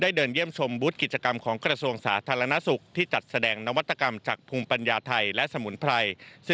ได้เดินเยี่ยมชมบุธกิจกรรมของกรส่งสาธารณสุข